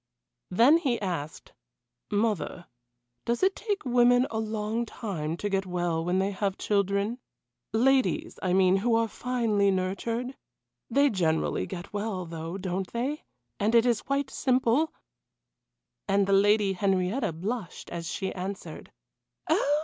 Then he asked: "Mother, does it take women a long time to get well when they have children? Ladies, I mean, who are finely nurtured? They generally get well, though, don't they and it is quite simple " And the Lady Henrietta blushed as she answered: "Oh!